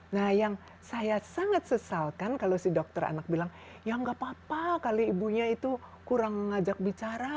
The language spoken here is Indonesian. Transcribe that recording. nah yang saya sangat sesalkan kalau si dokter anak bilang ya nggak apa apa kali ibunya itu kurang mengajak bicara